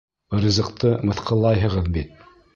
Ризыҡты мыҫҡыллайһығыҙ бит!